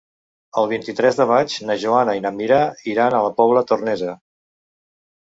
El vint-i-tres de maig na Joana i na Mira iran a la Pobla Tornesa.